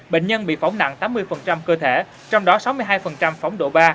bệnh nhân bị phóng nặng tám mươi cơ thể trong đó sáu mươi hai phóng độ ba